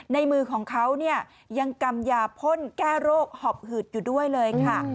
มือของเขาเนี่ยยังกำยาพ่นแก้โรคหอบหึดอยู่ด้วยเลยค่ะ